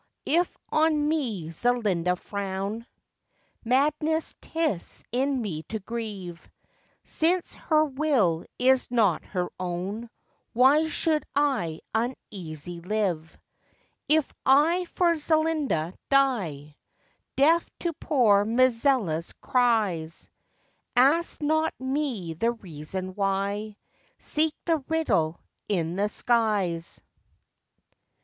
If on me Zelinda frown, Madness 'tis in me to grieve: Since her will is not her own, Why should I uneasy live? If I for Zelinda die, Deaf to poor Mizella's cries, Ask not me the reason why: Seek the riddle in the skies.